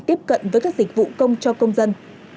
tiếp cận với các dịch vụ công cho công dân